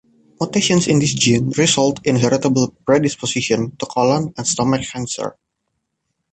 Mutations in this gene result in heritable predisposition to colon and stomach cancer.